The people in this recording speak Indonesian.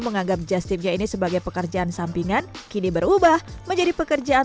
menganggap justipnya ini sebagai pekerjaan sampingan kini berubah menjadi pekerjaan